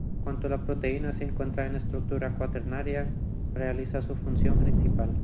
Cuando la proteína se encuentra en estructura cuaternaria realiza su función principal.